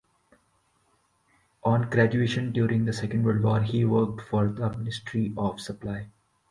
On graduation, during the Second World War, he worked for the Ministry of Supply.